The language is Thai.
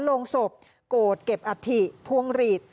ลงศพโกรธเก็บอัฐิพวงหลีด